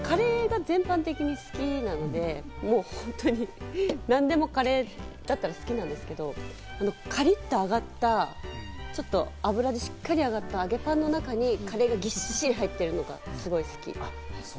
カレーが全般的に好きなので、何でもカレーだったら好きなんですけど、カリッと揚がった、ちょっと油でしっかり揚がった揚げパンの中にカレーがぎっしり入っているのがすごく好き。